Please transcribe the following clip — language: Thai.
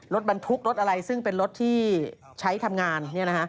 รถบรรทุกรถอะไรซึ่งเป็นรถที่ใช้ทำงาน